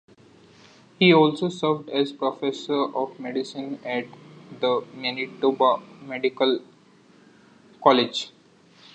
He also served as professor of medicine at the Manitoba Medical College.